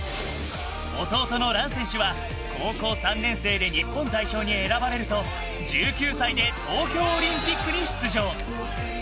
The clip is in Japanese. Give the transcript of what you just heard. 弟の藍選手は、高校３年生で日本代表に選ばれると１９歳で東京オリンピックに出場。